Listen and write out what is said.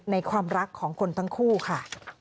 ความรักของคนทั้งคู่ค่ะ